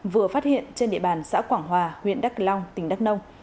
vừa phát hiện trên địa bàn xã quảng hòa huyện đắc long tỉnh đắc nông